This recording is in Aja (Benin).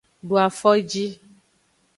Do afoji.